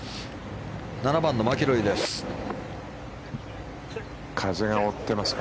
７番のマキロイです。